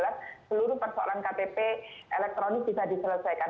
seluruh persoalan ktp elektronik bisa diselesaikan